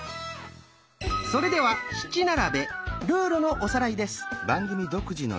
それでは「七並べ」ルールのおさらいです。